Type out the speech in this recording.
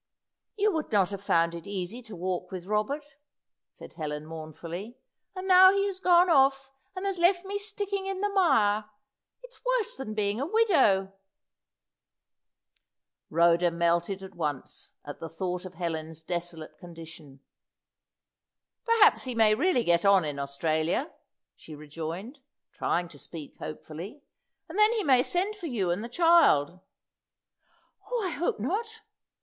"You would not have found it easy to walk with Robert," said Helen, mournfully. "And now he has gone off, and has left me sticking in the mire! It's worse than being a widow." Rhoda melted at once at the thought of Helen's desolate condition. "Perhaps he may really get on in Australia," she rejoined, trying to speak hopefully; "and then he may send for you and the child." "Oh, I hope not!"